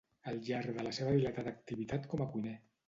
al llarg de la seva dilatada activitat com a cuiner